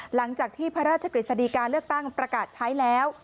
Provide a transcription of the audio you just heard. หลังจากที่พระราชกฤษฎีการเลือกตั้งประกาศใช้แล้ว